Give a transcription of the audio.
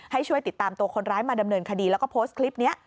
ให้ช่วยติดตามตัวคนร้ายมาดำเนินคดีแล้วก็โพสต์คลิปนี้